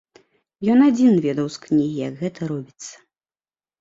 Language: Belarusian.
Ён адзін ведаў з кнігі, як гэта робіцца.